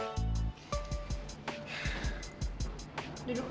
duduk dulu ke